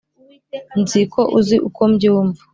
nzi ko uzi uko mbyumva